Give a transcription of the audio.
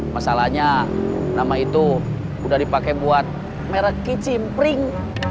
masalahnya nama itu sudah dipakai buat merek kicimpring